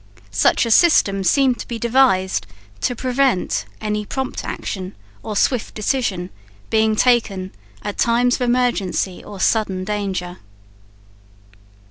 Such a system seemed to be devised to prevent any prompt action or swift decision being taken at times of emergency or sudden danger.